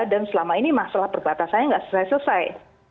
dan selama ini masalah perbatasannya nggak selesai selesai